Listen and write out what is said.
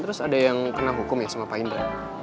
terus ada yang kena hukum ya sama pak indra